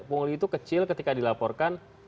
pungli itu kecil ketika dilaporkan